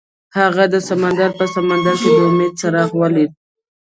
هغه د سمندر په سمندر کې د امید څراغ ولید.